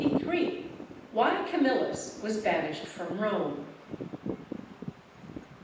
—_Why Camillus was banished from Rome.